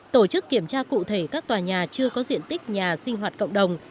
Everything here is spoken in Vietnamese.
tổ chức kiểm tra cụ thể các tòa nhà chưa có diện tích nhà sinh hoạt cộng đồng